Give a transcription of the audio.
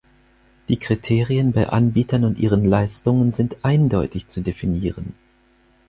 Die Kriterien bei Anbietern und ihren Leistungen sind eindeutig zu definieren.